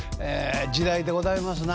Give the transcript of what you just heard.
時代でございますな。